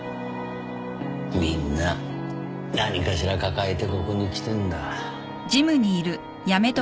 みんな何かしら抱えてここに来てんだ。